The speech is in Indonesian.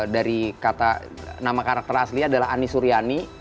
dari kata nama karakter asli adalah ani suryani